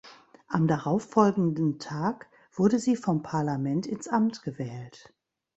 Am darauffolgenden Tag wurde sie vom Parlament ins Amt gewählt.